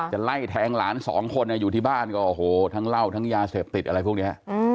จะไล่แทงหลานสองคนอยู่ที่บ้านก็โอ้โหทั้งเหล้าทั้งยาเสพติดอะไรพวกนี้